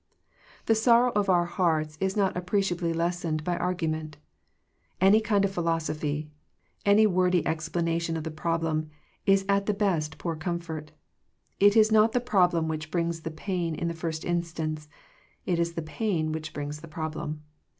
The sorrow of our hearts is not appreciably lessened by argument Any kind of philosophy— any wordy explanation of the problem — ^is at the best poor comfort It is not the problem which brings the pain in the first in stance: it is the pain which brings the problem.